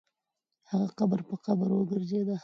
هغه قبر په قبر وګرځېد.